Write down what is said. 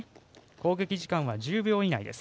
攻撃時間は１０秒以内です。